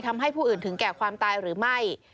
ทำให้ผู้อื่นถึงแก่ความตายหรือไม่